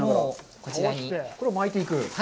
これを巻いていく。